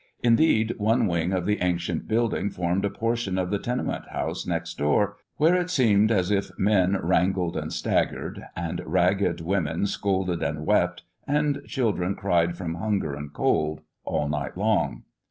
Indeed, one wing of the ancient building formed a portion of the tenement house next door, where it seemed as if men wrangled and staggered, and ragged women scolded and wept, and children cried from hunger and cold, all night long.